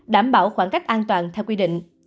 đảm bảo khoảng cách an toàn theo quy định